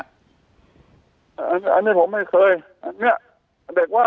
อันนี้ผมไม่เคย